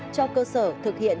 cho cơ sở thực hiện